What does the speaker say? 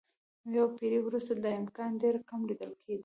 یوه پېړۍ وروسته دا امکان ډېر کم لیدل کېده.